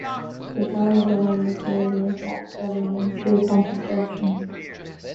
The town was aligned with the railroad tracks rather than in true compass directions.